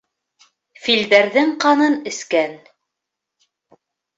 Филдәрҙең ҡанын эскән...